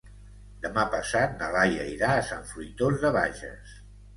Demà passat na Laia irà a Sant Fruitós de Bages.